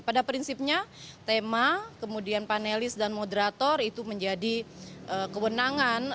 pada prinsipnya tema kemudian panelis dan moderator itu menjadi kewenangan